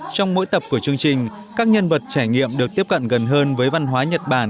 trong mỗi tập của chương trình các nhân vật trải nghiệm được tiếp cận gần hơn với văn hóa nhật bản